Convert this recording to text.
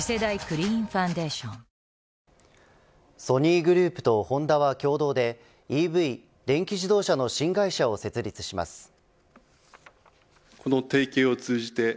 ソニーグループとホンダは共同でＥＶ電気自動車の新会社を設立します。